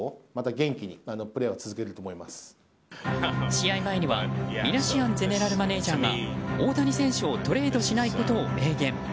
試合前にはミナシアンゼネラルマネジャーが大谷選手をトレードしないことを明言。